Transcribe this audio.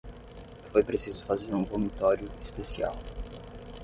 foi preciso fazer um vomitório especial